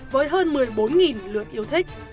với hơn một mươi bốn lượt yêu thích